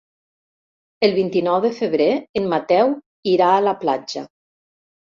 El vint-i-nou de febrer en Mateu irà a la platja.